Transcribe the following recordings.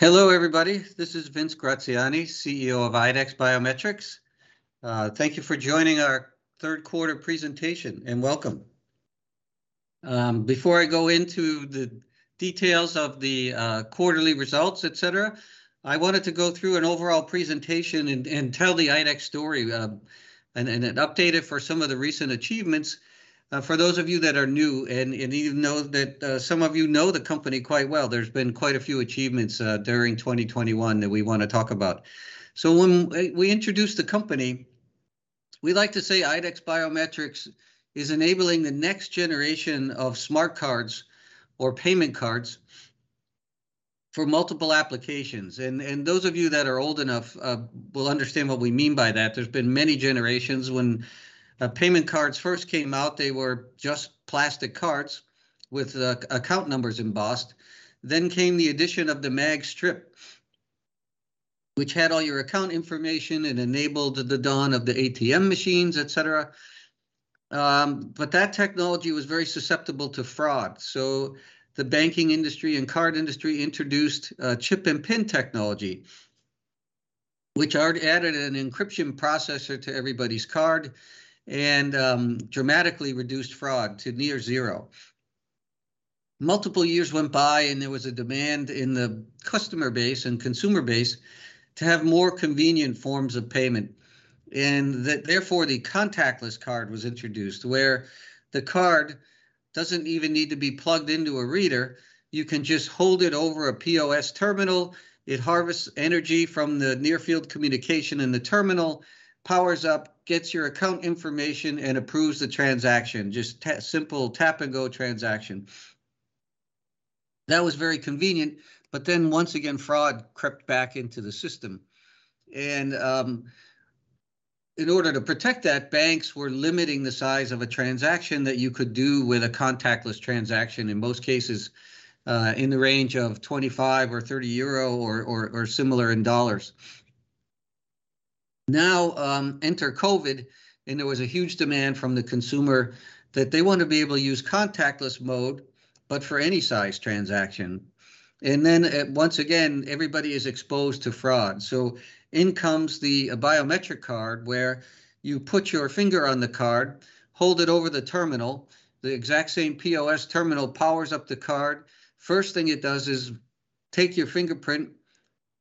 Hello everybody, this is Vince Graziani, CEO of IDEX Biometrics. Thank you for joining our third quarter presentation, and welcome. Before I go into the details of the quarterly results, etc. I wanted to go through an overall presentation and tell the IDEX story, and update it for some of the recent achievements. For those of you that are new and even know that some of you know the company quite well, there's been quite a few achievements during 2021 that we want to talk about. When we introduce the company, we like to say IDEX Biometrics is enabling the next generation of smart cards or payment cards for multiple applications. Those of you that are old enough will understand what we mean by that. There's been many generations. When payment cards first came out, they were just plastic cards with account numbers embossed. Came the addition of the magstripe, which had all your account information and enabled the dawn of the ATM machines, etc. That technology was very susceptible to fraud. The banking industry and card industry introduced chip and PIN technology, which added an encryption processor to everybody's card and dramatically reduced fraud to near zero. Multiple years went by, and there was a demand in the customer base and consumer base to have more convenient forms of payment. The contactless card was introduced, where the card doesn't even need to be plugged into a reader. You can just hold it over a POS terminal. It harvests energy from the near-field communication in the terminal, powers up, gets your account information, and approves the transaction, just simple tap-and-go transaction. That was very convenient. Once again, fraud crept back into the system. In order to protect that, banks were limiting the size of a transaction that you could do with a contactless transaction, in most cases in the range of 25 or 30 euro or similar in dollars. Now enter COVID, and there was a huge demand from the consumer that they want to be able to use contactless mode, but for any size transaction. Once again, everybody is exposed to fraud. In comes the biometric card, where you put your finger on the card, hold it over the terminal. The exact same POS terminal powers up the card. First thing it does is take your fingerprint,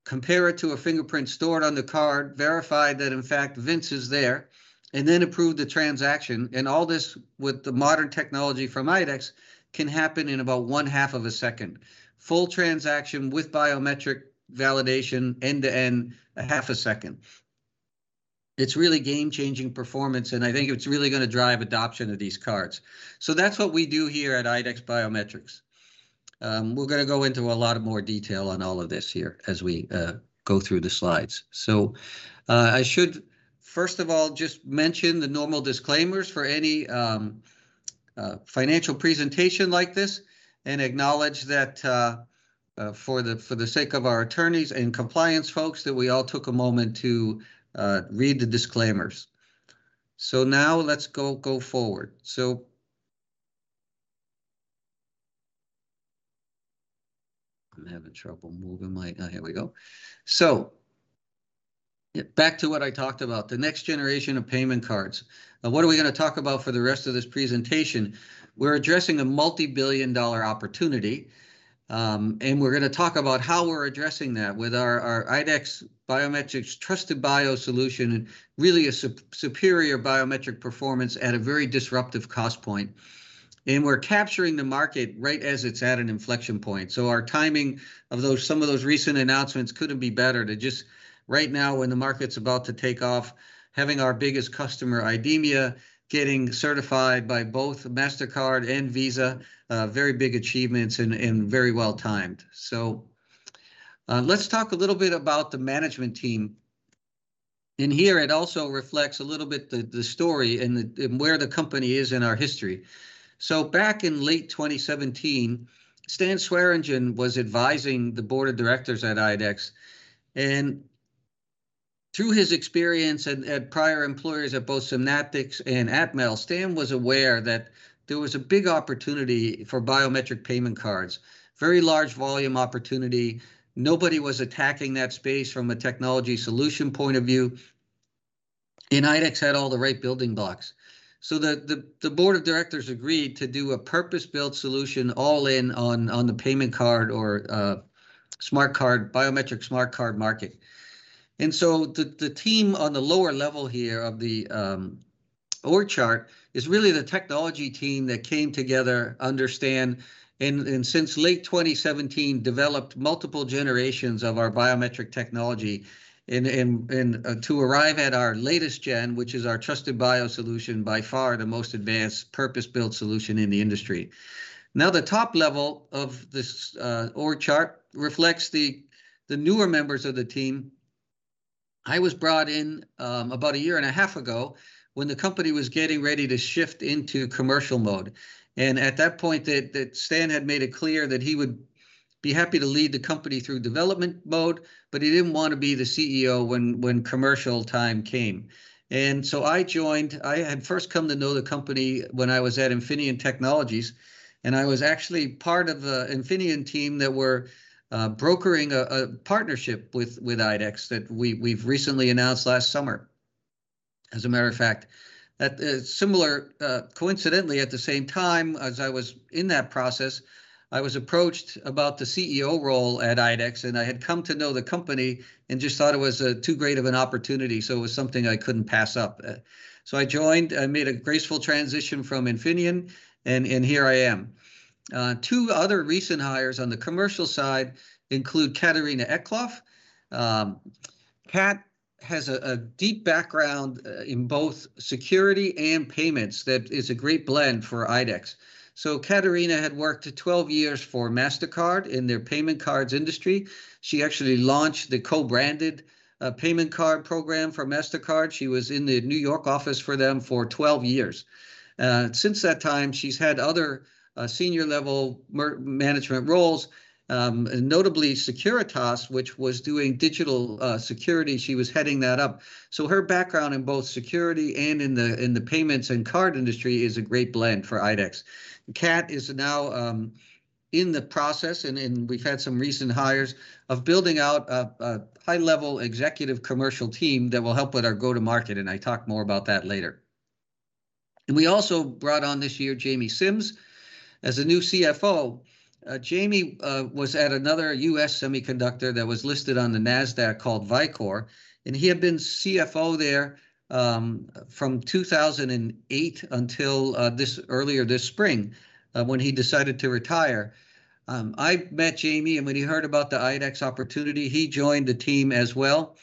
compare it to a fingerprint stored on the card, verify that, in fact, Vince is there, and then approve the transaction. All this with the modern technology from IDEX can happen in about one-half of a second, full transaction with biometric validation, end-to-end, a half a second. It's really game-changing performance, and I think it's really going to drive adoption of these cards. That's what we do here at IDEX Biometrics. We're going to go into a lot of more detail on all of this here as we go through the slides. I should, first of all, just mention the normal disclaimers for any financial presentation like this and acknowledge that, for the sake of our attorneys and compliance folks, that we all took a moment to read the disclaimers. Now let's go forward. I'm having trouble moving my, oh, here we go. Back to what I talked about, the next generation of payment cards. What are we going to talk about for the rest of this presentation? We're addressing a multibillion-dollar opportunity, and we're going to talk about how we're addressing that with our IDEX Biometrics TrustedBio solution and really a superior biometric performance at a very disruptive cost point. We're capturing the market right as it's at an inflection point. Our timing of some of those recent announcements couldn't be better to just right now, when the market's about to take off, having our biggest customer, IDEMIA, getting certified by both Mastercard and Visa, very big achievements and very well-timed. Let's talk a little bit about the management team. Here, it also reflects a little bit the story and where the company is in our history. Back in late 2017, Stan Swearingen was advising the board of directors at IDEX. Through his experience at prior employers at both Synaptics and Atmel, Stan was aware that there was a big opportunity for biometric payment cards, very large volume opportunity. Nobody was attacking that space from a technology solution point of view. IDEX had all the right building blocks. The board of directors agreed to do a purpose-built solution all in on the payment card or biometric smart card market. The team on the lower level here of the org chart is really the technology team that came together, understand, and since late 2017, developed multiple generations of our biometric technology to arrive at our latest gen, which is our TrustedBio solution, by far the most advanced purpose-built solution in the industry. Now, the top level of this org chart reflects the newer members of the team. I was brought in about a year and a half ago when the company was getting ready to shift into commercial mode. At that point, Stan had made it clear that he would be happy to lead the company through development mode, but he didn't want to be the CEO when commercial time came. I joined. I had first come to know the company when I was at Infineon Technologies, and I was actually part of the Infineon team that were brokering a partnership with IDEX that we've recently announced last summer. As a matter of fact, coincidentally, at the same time as I was in that process, I was approached about the CEO role at IDEX, and I had come to know the company and just thought it was too great of an opportunity. It was something I couldn't pass up. I joined. I made a graceful transition from Infineon, and here I am. Two other recent hires on the commercial side include Catharina Eklöf. Cath has a deep background in both security and payments that is a great blend for IDEX. Catharina had worked 12 years for Mastercard in their payment cards industry. She actually launched the co-branded payment card program for Mastercard. She was in the New York office for them for 12 years. Since that time, she's had other senior-level management roles, notably Securitas, which was doing digital security. She was heading that up. Her background in both security and in the payments and card industry is a great blend for IDEX. Cath is now in the process, and we've had some recent hires of building out a high-level executive commercial team that will help with our go-to-market. I talk more about that later. We also brought on this year Jamie Simms as a new CFO. Jamie was at another U.S. semiconductor that was listed on the NASDAQ called Vicor, and he had been CFO there from 2008 until earlier this spring when he decided to retire. I met Jamie, and when he heard about the IDEX opportunity, he joined the team as well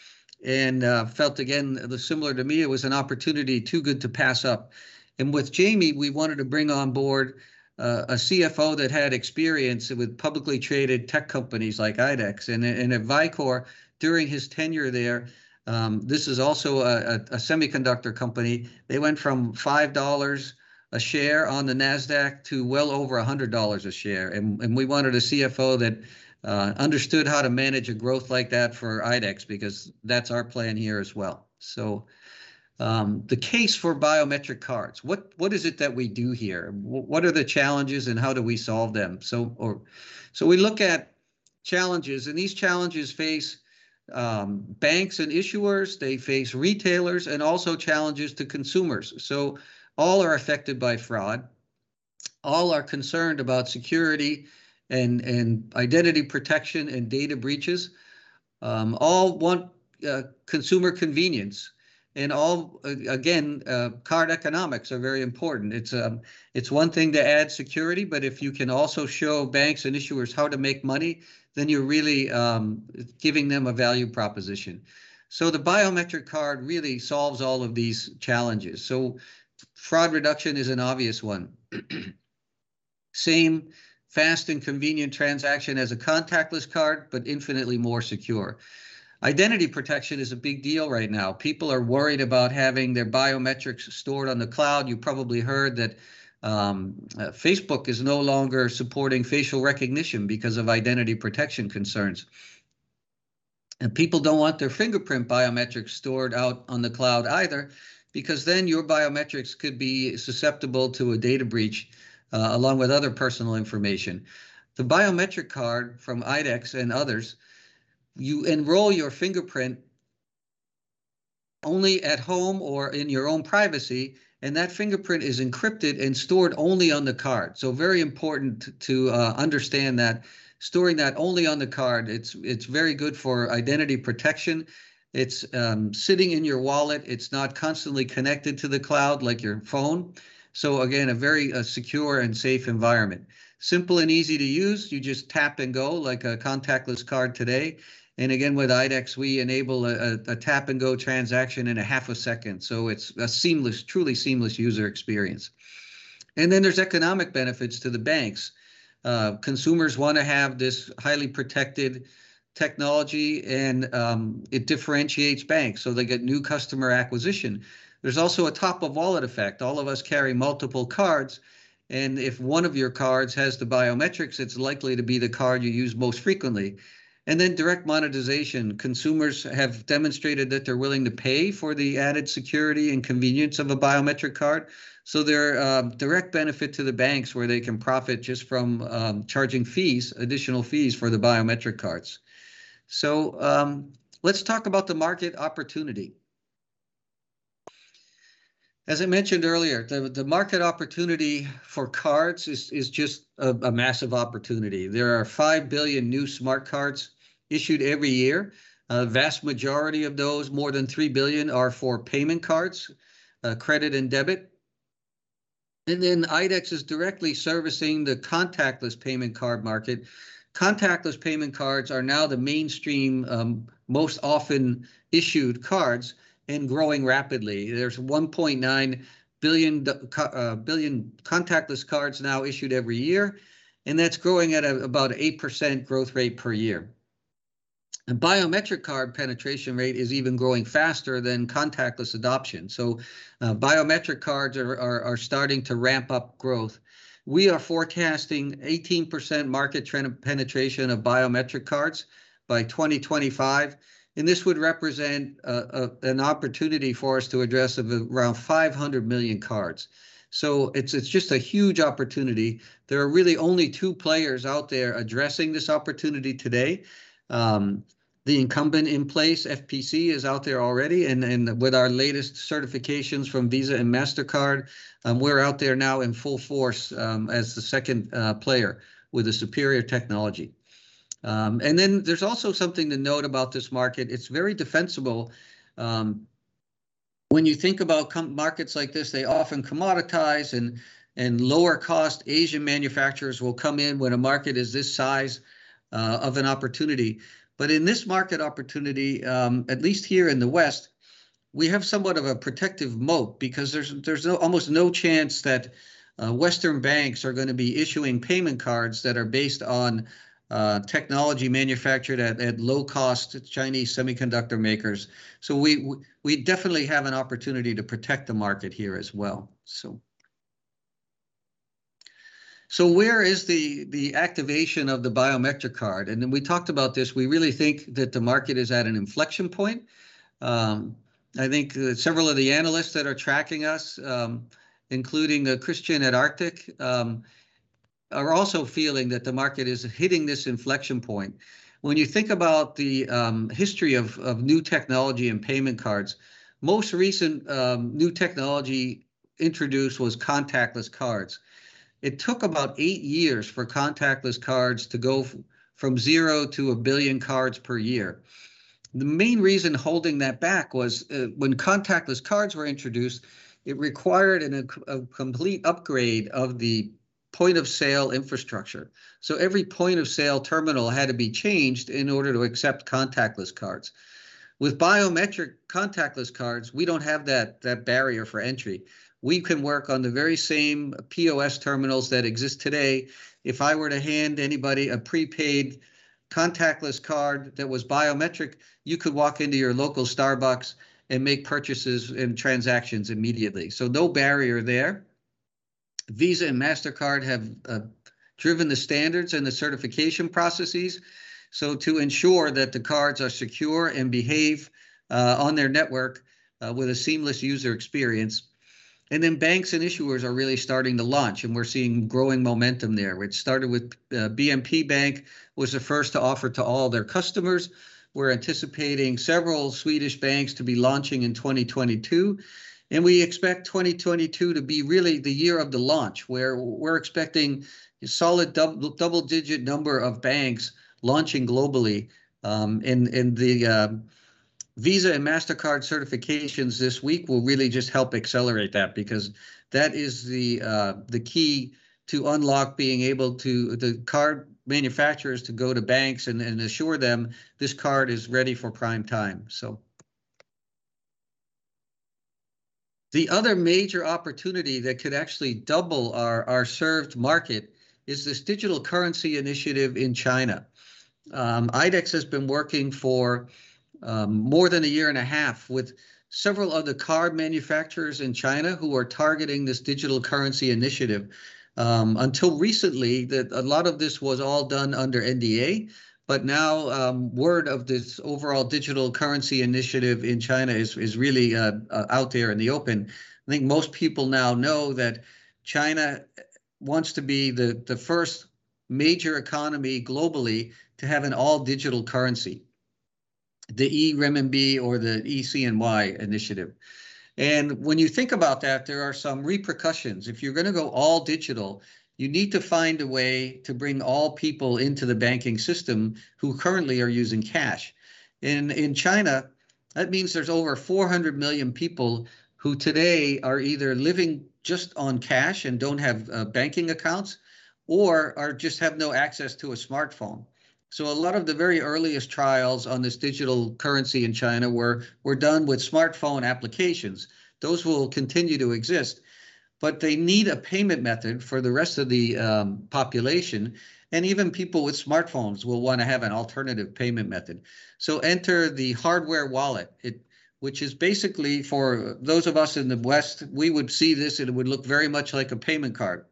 and felt, again, similar to me, it was an opportunity too good to pass up. With Jamie, we wanted to bring on board a CFO that had experience with publicly traded tech companies like IDEX and at Vicor. During his tenure there, this is also a semiconductor company. They went from $5 a share on the NASDAQ to well over $100 a share. We wanted a CFO that understood how to manage a growth like that for IDEX because that's our plan here as well. The case for biometric cards, what is it that we do here? What are the challenges, and how do we solve them? We look at challenges, and these challenges face banks and issuers. They face retailers and also challenges to consumers. All are affected by fraud. All are concerned about security and identity protection and data breaches. All want consumer convenience. Again, card economics are very important. It's one thing to add security, but if you can also show banks and issuers how to make money, then you're really giving them a value proposition. The biometric card really solves all of these challenges. Fraud reduction is an obvious one, same fast and convenient transaction as a contactless card, but infinitely more secure. Identity protection is a big deal right now. People are worried about having their biometrics stored on the cloud. You probably heard that Facebook is no longer supporting facial recognition because of identity protection concerns. People don't want their fingerprint biometrics stored out on the cloud either because then your biometrics could be susceptible to a data breach along with other personal information. The biometric card from IDEX and others, you enroll your fingerprint only at home or in your own privacy, and that fingerprint is encrypted and stored only on the card. Very important to understand that storing that only on the card. It's very good for identity protection. It's sitting in your wallet. It's not constantly connected to the cloud like your phone. Again, a very secure and safe environment. Simple and easy to use. You just tap and go like a contactless card today. Again, with IDEX, we enable a tap-and-go transaction in a half a second. It's a truly seamless user experience. There's economic benefits to the banks. Consumers want to have this highly protected technology, and it differentiates banks, so they get new customer acquisition. There's also a top-of-wallet effect. All of us carry multiple cards. If one of your cards has the biometrics, it's likely to be the card you use most frequently. Direct monetization. Consumers have demonstrated that they're willing to pay for the added security and convenience of a biometric card. There are direct benefits to the banks where they can profit just from charging additional fees for the biometric cards. Let's talk about the market opportunity. As I mentioned earlier, the market opportunity for cards is just a massive opportunity. There are 5 billion new smart cards issued every year. The vast majority of those, more than 3 billion, are for payment cards, credit and debit. IDEX is directly servicing the contactless payment card market. Contactless payment cards are now the mainstream, most often issued cards and growing rapidly. There's 1.9 billion contactless cards now issued every year, and that's growing at about an 8% growth rate per year. Biometric card penetration rate is even growing faster than contactless adoption. Biometric cards are starting to ramp up growth. We are forecasting 18% market penetration of biometric cards by 2025. This would represent an opportunity for us to address around 500 million cards. It's just a huge opportunity. There are really only two players out there addressing this opportunity today. The incumbent in place, FPC, is out there already. With our latest certifications from Visa and Mastercard, we're out there now in full force as the second player with a superior technology. Then there's also something to note about this market. It's very defensible. When you think about markets like this, they often commoditize, and lower-cost Asian manufacturers will come in when a market is this size of an opportunity. In this market opportunity, at least here in the West, we have somewhat of a protective moat because there's almost no chance that Western banks are going to be issuing payment cards that are based on technology manufactured at low-cost Chinese semiconductor makers. We definitely have an opportunity to protect the market here as well. Where is the activation of the biometric card? We talked about this. We really think that the market is at an inflection point. I think several of the analysts that are tracking us, including Kristian at Arctic, are also feeling that the market is hitting this inflection point. When you think about the history of new technology and payment cards, most recent new technology introduced was contactless cards. It took about 8 years for contactless cards to go from 0 to 1 billion cards per year. The main reason holding that back was when contactless cards were introduced, it required a complete upgrade of the point-of-sale infrastructure. Every point-of-sale terminal had to be changed in order to accept contactless cards. With biometric contactless cards, we don't have that barrier for entry. We can work on the very same POS terminals that exist today. If I were to hand anybody a prepaid contactless card that was biometric, you could walk into your local Starbucks and make purchases and transactions immediately. No barrier there. Visa and Mastercard have driven the standards and the certification processes. To ensure that the cards are secure and behave on their network with a seamless user experience. Banks and issuers are really starting to launch, and we're seeing growing momentum there. It started with BNP Paribas, was the first to offer to all their customers. We're anticipating several Swedish banks to be launching in 2022. We expect 2022 to be really the year of the launch where we're expecting a solid double-digit number of banks launching globally. The Visa and Mastercard certifications this week will really just help accelerate that because that is the key to unlock being able to the card manufacturers to go to banks and assure them this card is ready for prime time. The other major opportunity that could actually double our served market is this digital currency initiative in China. IDEX has been working for more than a year and a half with several other card manufacturers in China who are targeting this digital currency initiative. Until recently, a lot of this was all done under NDA. Now word of this overall digital currency initiative in China is really out there in the open. I think most people now know that China wants to be the first major economy globally to have an all-digital currency, the e-RMB or e-CNY initiative. When you think about that, there are some repercussions. If you're going to go all digital, you need to find a way to bring all people into the banking system who currently are using cash. In China, that means there's over 400 million people who today are either living just on cash and don't have banking accounts or just have no access to a smartphone. A lot of the very earliest trials on this digital currency in China were done with smartphone applications. Those will continue to exist, but they need a payment method for the rest of the population. Even people with smartphones will want to have an alternative payment method. Enter the hardware wallet, which is basically for those of us in the West, we would see this and it would look very much like a payment card.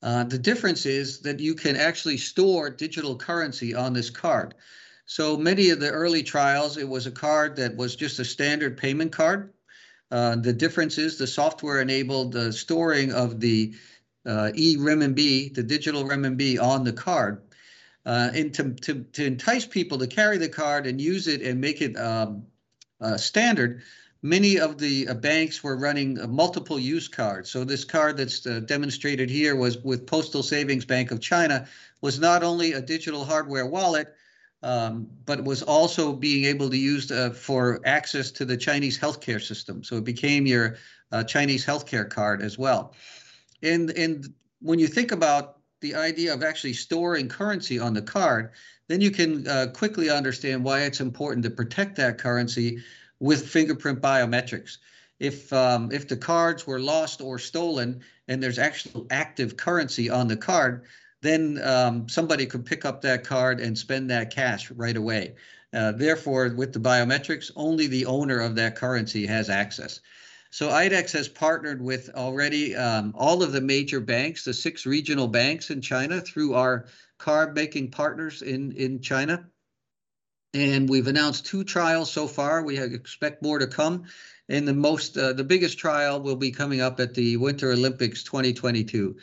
The difference is that you can actually store digital currency on this card. Many of the early trials, it was a card that was just a standard payment card. The difference is the software enabled the storing of the e-RMB, the digital RMB on the card. To entice people to carry the card and use it and make it standard, many of the banks were running multiple-use cards. This card that's demonstrated here with Postal Savings Bank of China was not only a digital hardware wallet, but was also being able to use for access to the Chinese healthcare system. It became your Chinese healthcare card as well. When you think about the idea of actually storing currency on the card, then you can quickly understand why it's important to protect that currency with fingerprint biometrics. If the cards were lost or stolen and there's actual active currency on the card, then somebody could pick up that card and spend that cash right away. Therefore, with the biometrics, only the owner of that currency has access. IDEX has already partnered with all of the major banks, the six regional banks in China through our card-making partners in China. We've announced two trials so far. We expect more to come. The biggest trial will be coming up at the Winter Olympics 2022.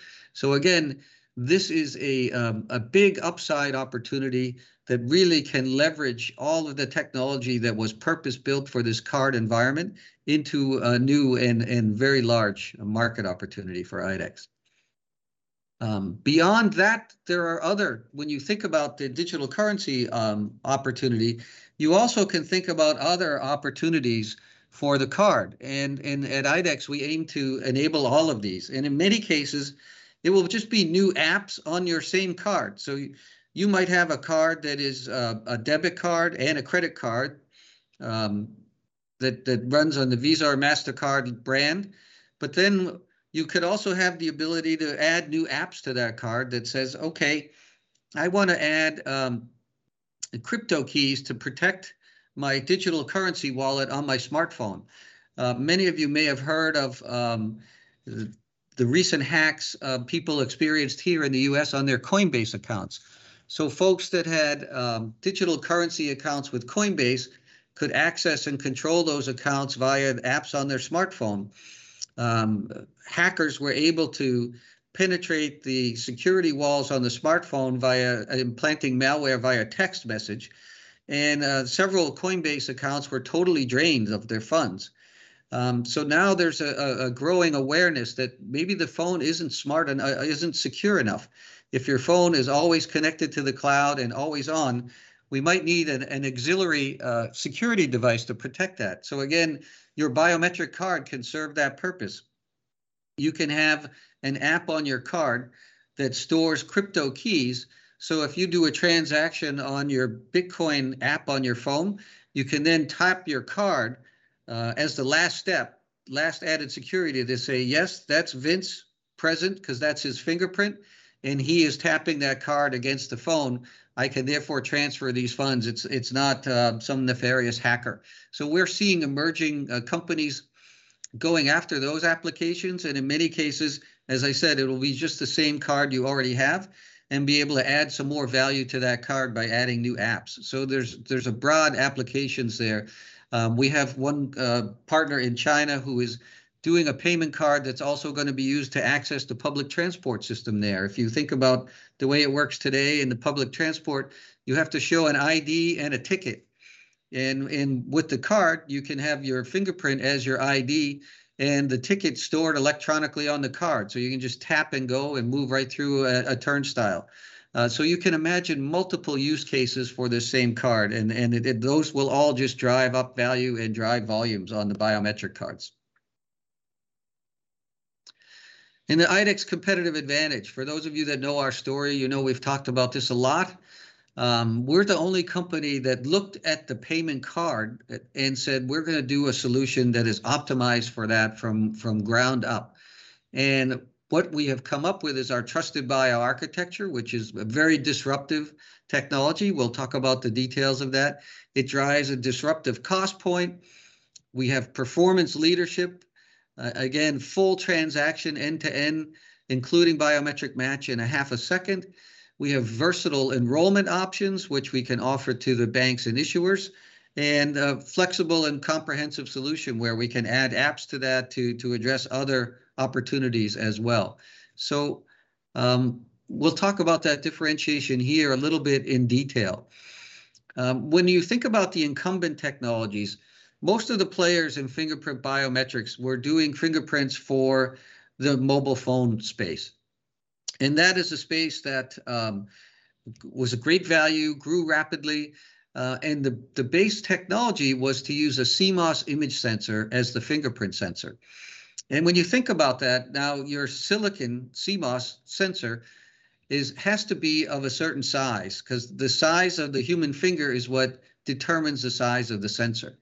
Again, this is a big upside opportunity that really can leverage all of the technology that was purpose-built for this card environment into a new and very large market opportunity for IDEX. Beyond that, when you think about the digital currency opportunity, you also can think about other opportunities for the card. At IDEX, we aim to enable all of these. In many cases, it will just be new apps on your same card. You might have a card that is a debit card and a credit card that runs on the Visa or Mastercard brand. You could also have the ability to add new apps to that card that says, "Okay, I want to add crypto keys to protect my digital currency wallet on my smartphone." Many of you may have heard of the recent hacks people experienced here in the U.S. on their Coinbase accounts. Folks that had digital currency accounts with Coinbase could access and control those accounts via apps on their smartphone. Hackers were able to penetrate the security walls on the smartphone via implanting malware via text message. Several Coinbase accounts were totally drained of their funds. Now there's a growing awareness that maybe the phone isn't smart and isn't secure enough. If your phone is always connected to the cloud and always on, we might need an auxiliary security device to protect that. Again, your biometric card can serve that purpose. You can have an app on your card that stores crypto keys. If you do a transaction on your Bitcoin app on your phone, you can then tap your card as the last step, last added security to say, "Yes, that's Vince present because that's his fingerprint, and he is tapping that card against the phone. I can therefore transfer these funds. It's not some nefarious hacker." We're seeing emerging companies going after those applications. In many cases, as I said, it will be just the same card you already have and be able to add some more value to that card by adding new apps. There's a broad applications there. We have one partner in China who is doing a payment card that's also going to be used to access the public transport system there. If you think about the way it works today in the public transport, you have to show an ID and a ticket. With the card, you can have your fingerprint as your ID and the ticket stored electronically on the card. You can just tap and go and move right through a turnstile. You can imagine multiple use cases for the same card. Those will all just drive up value and drive volumes on the biometric cards. The IDEX competitive advantage. For those of you that know our story, you know we've talked about this a lot. We're the only company that looked at the payment card and said, "We're going to do a solution that is optimized for that from the ground up." What we have come up with is our TrustedBio architecture, which is a very disruptive technology. We'll talk about the details of that. It drives a disruptive cost point. We have performance leadership. Again, full transaction end-to-end, including biometric match in half a second. We have versatile enrollment options, which we can offer to the banks and issuers. A flexible and comprehensive solution where we can add apps to that to address other opportunities as well. We'll talk about that differentiation here a little bit in detail. When you think about the incumbent technologies, most of the players in fingerprint biometrics were doing fingerprints for the mobile phone space. That is a space that was a great value, grew rapidly. The base technology was to use a CMOS image sensor as the fingerprint sensor. When you think about that, now your silicon CMOS sensor has to be of a certain size because the size of the human finger is what determines the size of the sensor.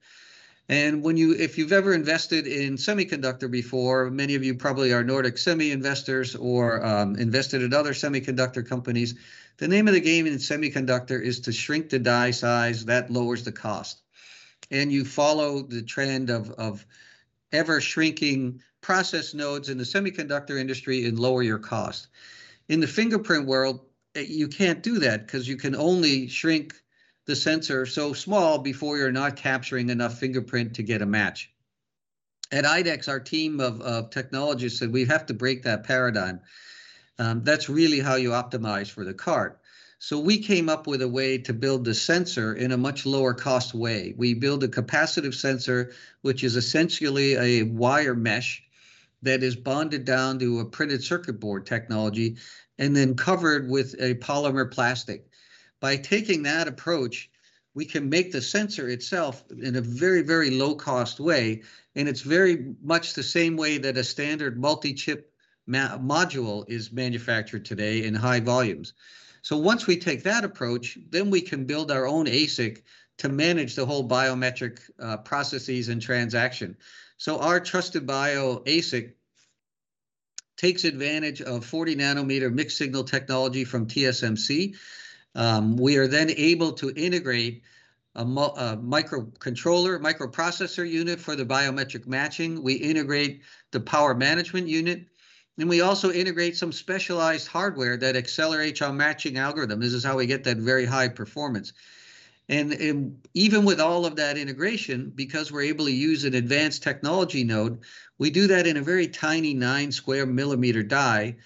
If you've ever invested in semiconductor before, many of you probably are Nordic Semi investors or invested in other semiconductor companies. The name of the game in semiconductor is to shrink the die size. That lowers the cost. You follow the trend of ever-shrinking process nodes in the semiconductor industry and lower your cost. In the fingerprint world, you can't do that because you can only shrink the sensor so small before you're not capturing enough fingerprint to get a match. At IDEX, our team of technologists said, "We have to break that paradigm. That's really how you optimize for the card." We came up with a way to build the sensor in a much lower-cost way. We build a capacitive sensor, which is essentially a wire mesh that is bonded down to a printed circuit board technology and then covered with a polymer plastic. By taking that approach, we can make the sensor itself in a very, very low-cost way. It's very much the same way that a standard multi-chip module is manufactured today in high volumes. Once we take that approach, then we can build our own ASIC to manage the whole biometric processes and transaction. Our TrustedBio ASIC takes advantage of 40-nanometer mixed signal technology from TSMC. We are then able to integrate a microcontroller, microprocessor unit for the biometric matching. We integrate the power management unit. We also integrate some specialized hardware that accelerates our matching algorithm. This is how we get that very high performance. Even with all of that integration, because we're able to use an advanced technology node, we do that in a very tiny 9 sq mm die,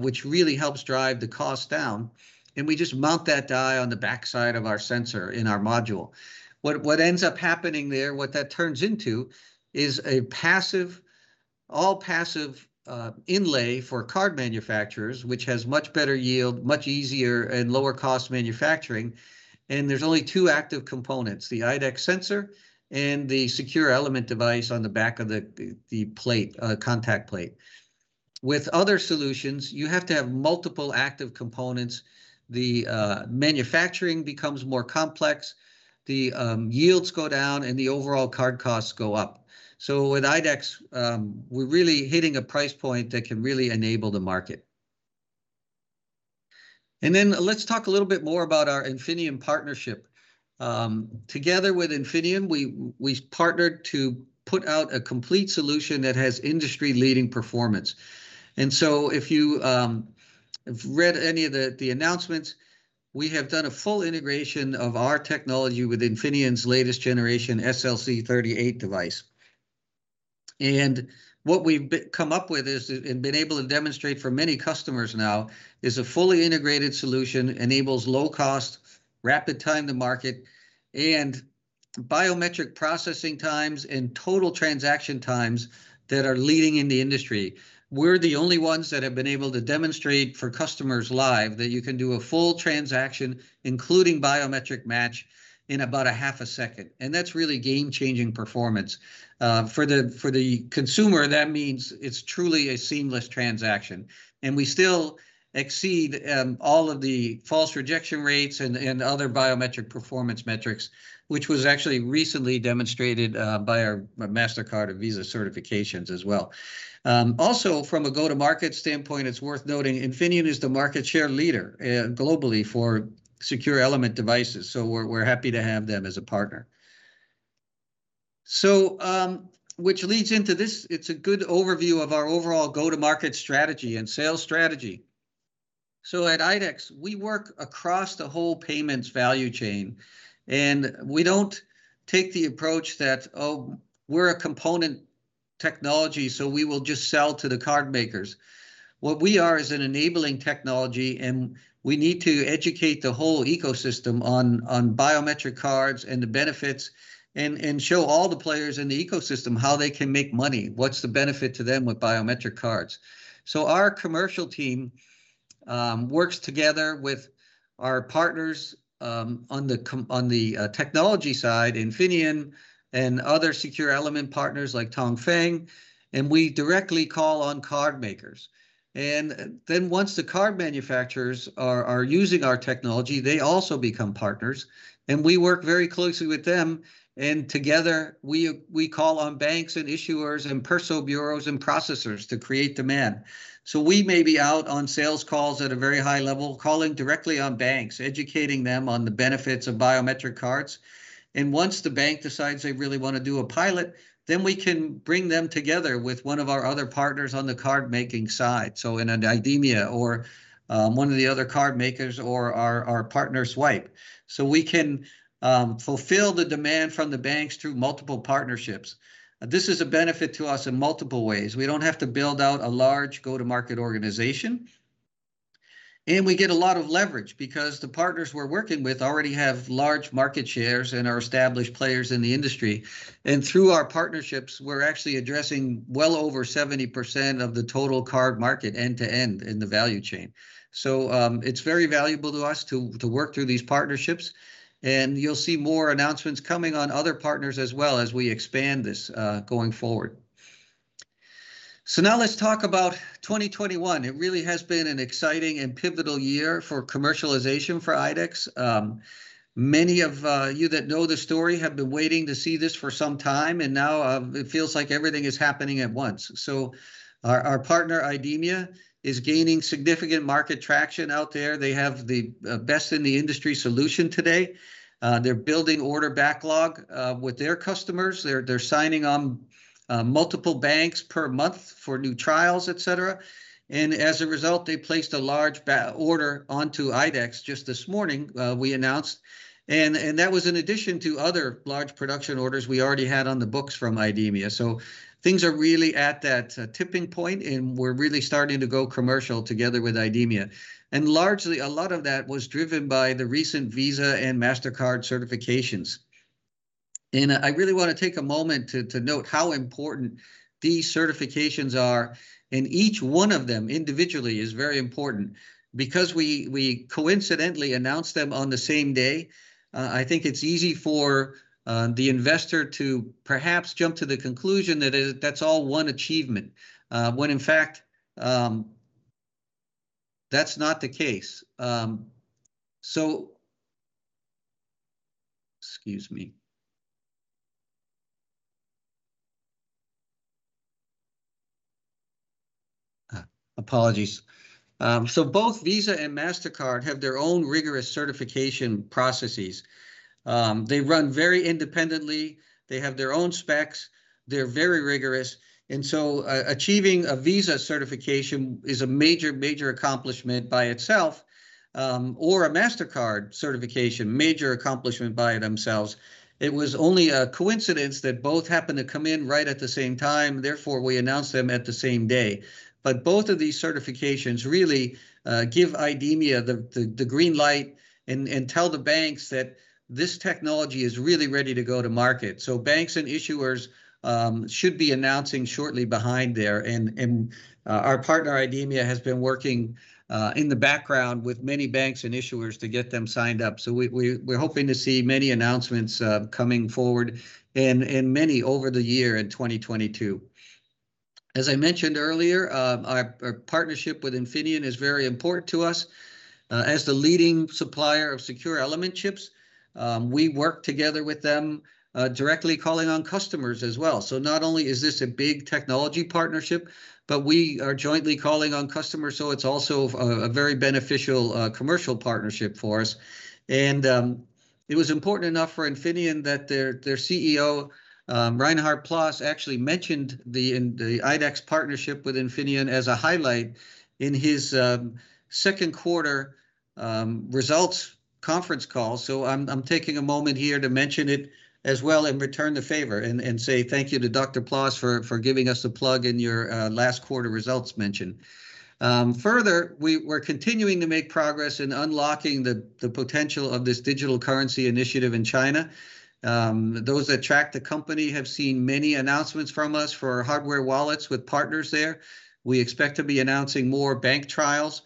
which really helps drive the cost down. We just mount that die on the backside of our sensor in our module. What ends up happening there, what that turns into is an all-passive inlay for card manufacturers, which has much better yield, much easier, and lower-cost manufacturing. There's only two active components, the IDEX sensor and the secure element device on the back of the contact plate. With other solutions, you have to have multiple active components. The manufacturing becomes more complex. The yields go down and the overall card costs go up. With IDEX, we're really hitting a price point that can really enable the market. Let's talk a little bit more about our Infineon partnership. Together with Infineon, we partnered to put out a complete solution that has industry-leading performance. If you've read any of the announcements, we have done a full integration of our technology with Infineon's latest generation SLC38 device. What we've come up with and been able to demonstrate for many customers now is a fully integrated solution that enables low cost, rapid time to market, and biometric processing times and total transaction times that are leading in the industry. We're the only ones that have been able to demonstrate for customers live that you can do a full transaction, including biometric match, in about a half a second. That's really game-changing performance. For the consumer, that means it's truly a seamless transaction. We still exceed all of the false rejection rates and other biometric performance metrics, which was actually recently demonstrated by our Mastercard and Visa certifications as well. Also, from a go-to-market standpoint, it's worth noting Infineon is the market share leader globally for secure element devices. We're happy to have them as a partner. Which leads into this, it's a good overview of our overall go-to-market strategy and sales strategy. At IDEX, we work across the whole payments value chain. We don't take the approach that, "Oh, we're a component technology, so we will just sell to the card makers." What we are is an enabling technology, and we need to educate the whole ecosystem on biometric cards and the benefits and show all the players in the ecosystem how they can make money, what's the benefit to them with biometric cards. Our commercial team works together with our partners on the technology side, Infineon and other secure element partners like Tongxin. We directly call on card makers. Then once the card manufacturers are using our technology, they also become partners. We work very closely with them. Together, we call on banks and issuers and personal bureaus and processors to create demand. We may be out on sales calls at a very high level, calling directly on banks, educating them on the benefits of biometric cards. Once the bank decides they really want to do a pilot, then we can bring them together with one of our other partners on the card-making side, so an IDEMIA or one of the other card makers or our partner Zwipe. We can fulfill the demand from the banks through multiple partnerships. This is a benefit to us in multiple ways. We don't have to build out a large go-to-market organization. We get a lot of leverage because the partners we're working with already have large market shares and are established players in the industry. Through our partnerships, we're actually addressing well over 70% of the total card market end-to-end in the value chain. It's very valuable to us to work through these partnerships. You'll see more announcements coming on other partners as well as we expand this going forward. Now let's talk about 2021. It really has been an exciting and pivotal year for commercialization for IDEX. Many of you that know the story have been waiting to see this for some time, and now it feels like everything is happening at once. Our partner IDEMIA is gaining significant market traction out there. They have the best in the industry solution today. They're building order backlog with their customers. They're signing on multiple banks per month for new trials, etc. As a result, they placed a large order onto IDEX just this morning, we announced. That was in addition to other large production orders we already had on the books from IDEMIA. Things are really at that tipping point, and we're really starting to go commercial together with IDEMIA. Largely, a lot of that was driven by the recent Visa and Mastercard certifications. I really want to take a moment to note how important these certifications are. Each one of them individually is very important. Because we coincidentally announced them on the same day, I think it's easy for the investor to perhaps jump to the conclusion that that's all one achievement, when in fact, that's not the case. Excuse me. Apologies. Both Visa and Mastercard have their own rigorous certification processes. They run very independently. They have their own specs. They're very rigorous. Achieving a Visa certification is a major accomplishment by itself. Or a Mastercard certification is a major accomplishment by itself. It was only a coincidence that both happened to come in right at the same time. Therefore, we announced them at the same day. Both of these certifications really give IDEMIA the green light and tell the banks that this technology is really ready to go to market. Banks and issuers should be announcing shortly behind there. Our partner IDEMIA has been working in the background with many banks and issuers to get them signed up. We're hoping to see many announcements coming forward and many over the year in 2022. As I mentioned earlier, our partnership with Infineon is very important to us. As the leading supplier of secure element chips, we work together with them directly calling on customers as well. Not only is this a big technology partnership, but we are jointly calling on customers. It's also a very beneficial commercial partnership for us. It was important enough for Infineon that their CEO, Reinhard Ploss, actually mentioned the IDEX partnership with Infineon as a highlight in his second quarter results conference call. I'm taking a moment here to mention it as well and return the favor and say thank you to Dr. Ploss for giving us the plug in your last quarter results mention. Further, we're continuing to make progress in unlocking the potential of this digital currency initiative in China. Those that track the company have seen many announcements from us for hardware wallets with partners there. We expect to be announcing more bank trials.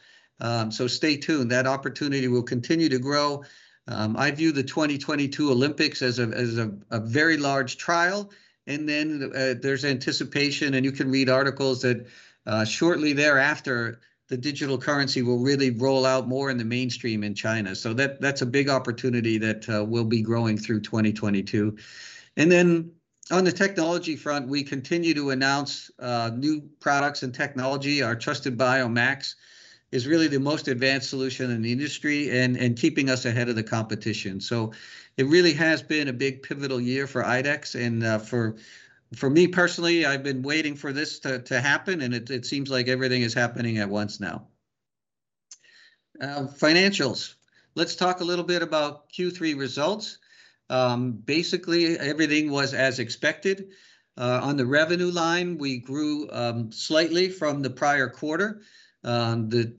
Stay tuned. That opportunity will continue to grow. I view the 2022 Olympics as a very large trial. There's anticipation, and you can read articles that shortly thereafter, the digital currency will really roll out more in the mainstream in China. That's a big opportunity that will be growing through 2022. On the technology front, we continue to announce new products and technology. Our TrustedBio Max is really the most advanced solution in the industry and keeping us ahead of the competition. It really has been a big pivotal year for IDEX. For me personally, I've been waiting for this to happen, and it seems like everything is happening at once now. Financials. Let's talk a little bit about Q3 results. Basically, everything was as expected. On the revenue line, we grew slightly from the prior quarter. We're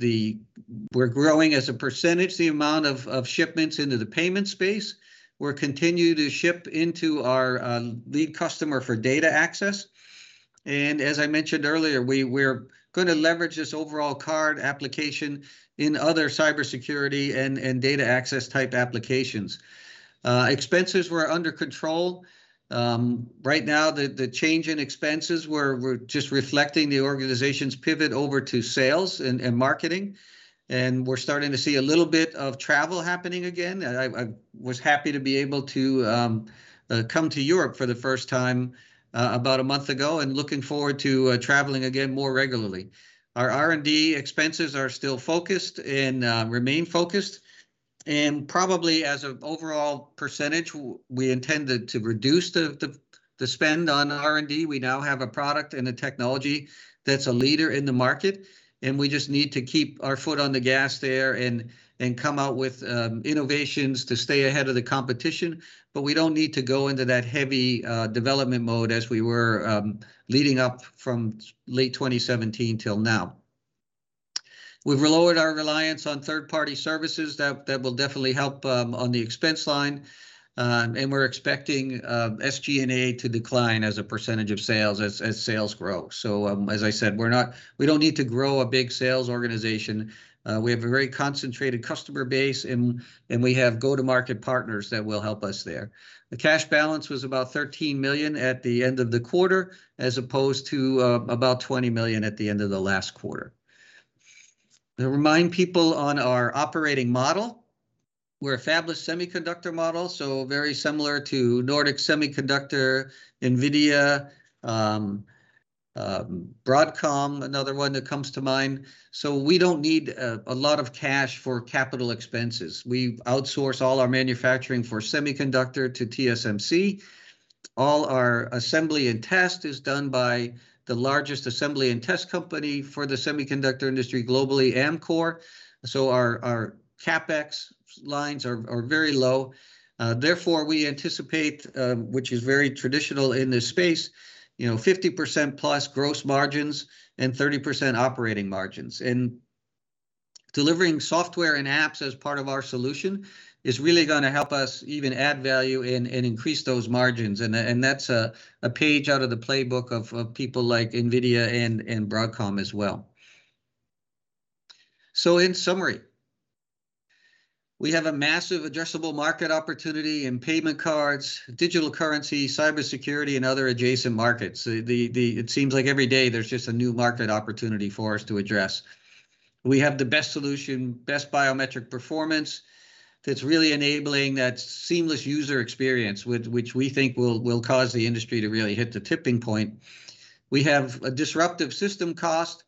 growing as a percentage, the amount of shipments into the payment space. We're continuing to ship into our lead customer for data access. As I mentioned earlier, we're going to leverage this overall card application in other cybersecurity and data access type applications. Expenses were under control. Right now, the change in expenses, we're just reflecting the organization's pivot over to sales and marketing. We're starting to see a little bit of travel happening again. I was happy to be able to come to Europe for the first time about a month ago and looking forward to traveling again more regularly. Our R&D expenses are still focused and remain focused. Probably as an overall percentage, we intended to reduce the spend on R&D. We now have a product and a technology that's a leader in the market. We just need to keep our foot on the gas there and come out with innovations to stay ahead of the competition. We don't need to go into that heavy development mode as we were leading up from late 2017 till now. We've reduced our reliance on third-party services that will definitely help on the expense line. We're expecting SG&A to decline as a percentage of sales as sales grow. As I said, we don't need to grow a big sales organization. We have a very concentrated customer base, and we have go-to-market partners that will help us there. The cash balance was about 13 million at the end of the quarter as opposed to about 20 million at the end of the last quarter. To remind people on our operating model, we're a fabless semiconductor model, so very similar to Nordic Semiconductor, NVIDIA, Broadcom, another one that comes to mind. We don't need a lot of cash for capital expenses. We outsource all our manufacturing for semiconductor to TSMC. All our assembly and test is done by the largest assembly and test company for the semiconductor industry globally, Amkor. Our CapEx lines are very low. We anticipate, which is very traditional in this space, 50%+ gross margins and 30% operating margins. Delivering software and apps as part of our solution is really going to help us even add value and increase those margins. That's a page out of the playbook of people like NVIDIA and Broadcom as well. In summary, we have a massive addressable market opportunity in payment cards, digital currency, cybersecurity, and other adjacent markets. It seems like every day there's just a new market opportunity for us to address. We have the best solution, best biometric performance that's really enabling that seamless user experience, which we think will cause the industry to really hit the tipping point. We have a disruptive system cost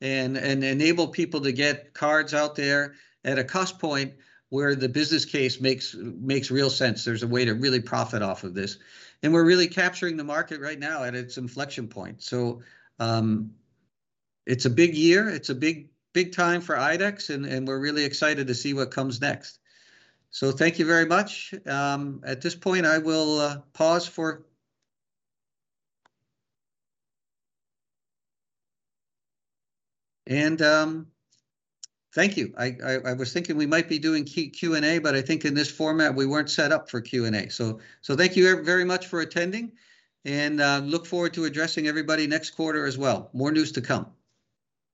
and enable people to get cards out there at a cost point where the business case makes real sense. There's a way to really profit off of this. We're really capturing the market right now at its inflection point. It's a big year. It's a big time for IDEX, and we're really excited to see what comes next. Thank you very much. At this point, I will pause and thank you. I was thinking we might be doing Q&A, but I think in this format, we weren't set up for Q&A. Thank you very much for attending. Look forward to addressing everybody next quarter as well. More news to come.